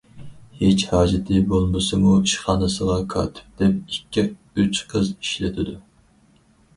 ھېچ ھاجىتى بولمىسىمۇ، ئىشخانىسىغا كاتىپ دەپ ئىككى- ئۈچ قىز ئىشلىتىدۇ.